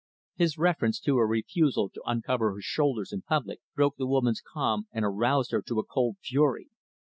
His reference to her refusal to uncover her shoulders in public broke the woman's calm and aroused her to a cold fury.